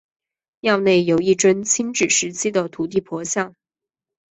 庙内有一尊清治时期的土地婆像。